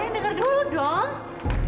dengar dulu dong